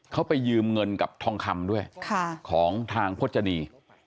เขาไปยืมเงินกับทองคำด้วยของทางพจนี